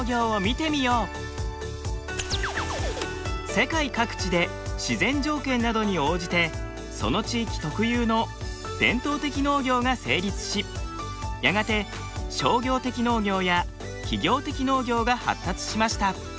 世界各地で自然条件などに応じてその地域特有の伝統的農業が成立しやがて商業的農業や企業的農業が発達しました。